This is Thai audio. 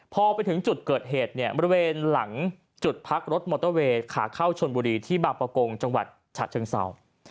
พอไปถึงจุดเกิดเหตุเนี่ยบริเวณหลังจุดพักรถมอเตอร์เวย์ขาเข้าชนบุรีที่บางประกงจังหวัดฉะเชิงเศร้า